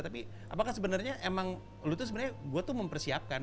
tapi apakah sebenarnya emang lu tuh sebenarnya gue tuh mempersiapkan